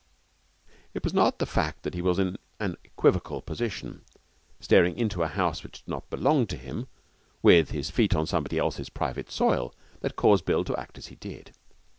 It was not the fact that he was in an equivocal position, staring into a house which did not belong to him, with his feet on somebody else's private soil, that caused Bill to act as he did.